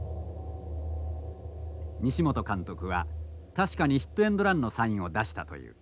西本監督は確かにヒットエンドランのサインを出したという。